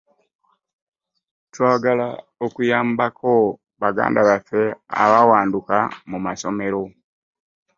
Twagala okuyambako baganda baffe abawanduka mu masomero